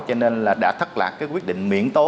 cho nên đã thất lạc quyết định miễn tố